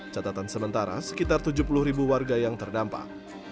catatan sementara sekitar tujuh puluh ribu warga yang terdampak